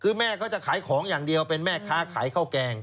คือแม่เขาจะขายของอย่างเดียวเป็นแม่ค้าขายข้าวแกง